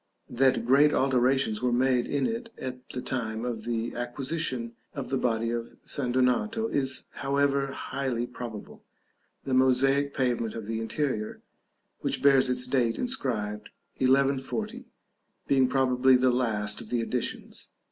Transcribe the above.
That great alterations were made in it at the time of the acquisition of the body of St. Donato is however highly probable, the mosaic pavement of the interior, which bears its date inscribed, 1140, being probably the last of the additions.